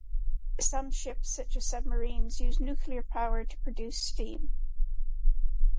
Some ships, such as submarines, use nuclear power to produce the steam.